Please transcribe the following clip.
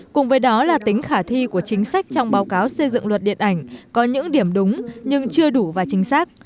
cùng với đó là tính khả thi của chính sách trong báo cáo xây dựng luật điện ảnh có những điểm đúng nhưng chưa đủ và chính xác